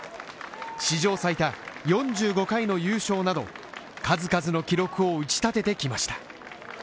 史上最多４５回の優勝など数々の記録を打ち立ててきました。